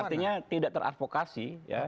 artinya tidak teradvokasi ya